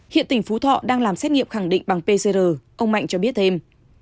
hiện tỉnh phú thọ đang làm xét nghiệm khẳng định bằng pcr ông mạnh cho biết thêm